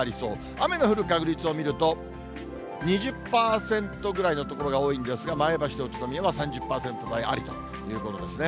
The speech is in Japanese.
雨の降る確率を見ると、２０％ぐらいの所が多いんですが、前橋と宇都宮は３０％台ありということですね。